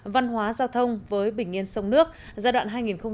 văn hóa giao thông với bình yên sông nước giai đoạn hai nghìn một mươi sáu hai nghìn hai mươi